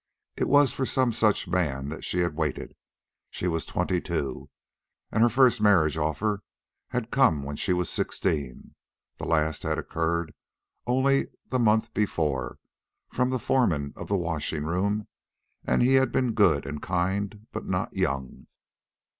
It was for some such man that she had waited. She was twenty two, and her first marriage offer had come when she was sixteen. The last had occurred only the month before, from the foreman of the washing room, and he had been good and kind, but not young.